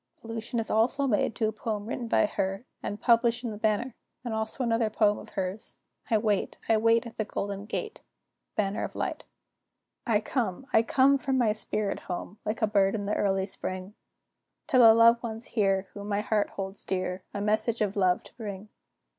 Allusion is also made to a poem written by her and published in the Banner, and also to another poem of hers, 'I wait, I wait at the golden gate.'" Banner of Light. I come, I come from my spirit home, Like a bird in the early spring, To the loved ones here, whom my heart holds dear, A message of love to bring.